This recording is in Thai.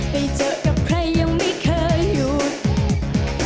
ไปเจอกับใครยังไม่เคยหยุด